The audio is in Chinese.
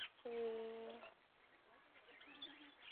吴王夫差立邾桓公革继位。